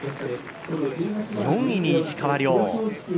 ４位に石川遼。